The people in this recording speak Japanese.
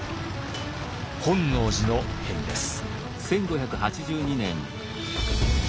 本能寺の変です。